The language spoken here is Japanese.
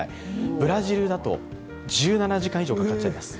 ブラジルだと１７時間以上かかっちゃいます。